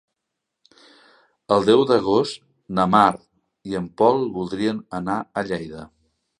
El deu d'agost na Mar i en Pol voldrien anar a Lleida.